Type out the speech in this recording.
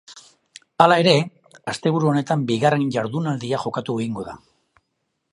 Hala ere, asteburu honetan bigarren jardunaldia jokatu egingo da.